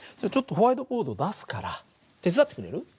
ちょっとホワイトボードを出すから手伝ってくれる？